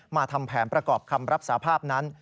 ทำแผนประกอบคำรับสาภาพนั้น